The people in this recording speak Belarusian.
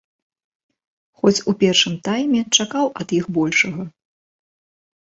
Хоць у першым тайме чакаў ад іх большага.